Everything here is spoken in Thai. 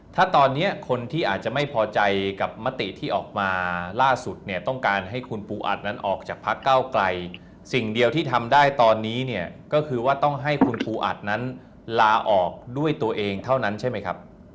ถ้าตอนนี้คนที่อาจจะไม่พอใจกับมติที่ออกมาล่าสุดเนี่ยต้องการให้คุณปูอัดนั้นออกจากพักเก้าไกลสิ่งเดียวที่ทำได้ตอนนี้เนี่ยก็คือว่าต้องให้คุณปูอัดนั้นลาออกด้วยตัวเองเท่านั้นใช่ไหมครับ